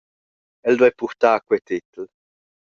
El duei purtar quei tetel.